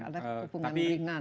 ada hubungan ringan